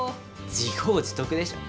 自業自得でしょ。